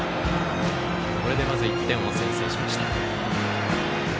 これで１点を先制しました。